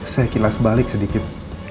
saya kilas balik sedikit